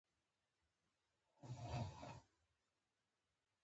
د پاک چاپیریال ساتنه د نسلونو لپاره مهمه ده.